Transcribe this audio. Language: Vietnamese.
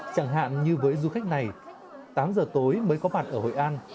chẳng hạn như với du khách này tám giờ tối mới có mặt ở hội an